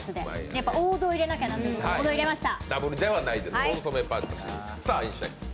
やっぱ王道を入れなきゃ、王道、入れました。